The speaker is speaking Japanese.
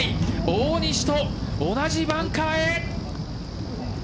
大西と同じバンカーへ！